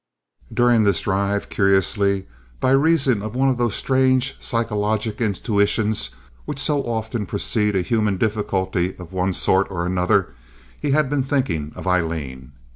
During this drive, curiously, by reason of one of those strange psychologic intuitions which so often precede a human difficulty of one sort or another, he had been thinking of Aileen.